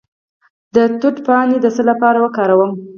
د توت پاڼې د څه لپاره وکاروم؟